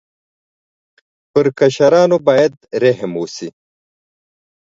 په کشرانو باید رحم وشي.